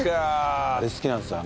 あれ好きなんですよ